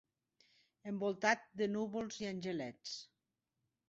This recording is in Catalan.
Envoltat de núvols i angelets.